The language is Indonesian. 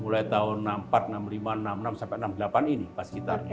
mulai tahun enam puluh empat enam puluh lima enam puluh enam sampai enam puluh delapan ini bass gitarnya